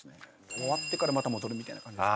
終わってからまた戻るみたいな感じです。